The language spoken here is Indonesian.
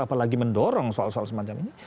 apalagi mendorong soal soal semacam ini